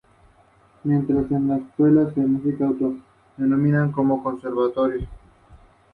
Miembro de la Asociación de Cantautores de Navarra.